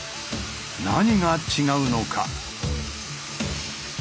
何が違うのか？